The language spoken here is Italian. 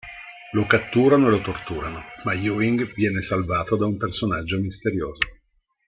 Lo catturano e lo torturano, ma Ewing viene salvato da un personaggio misterioso.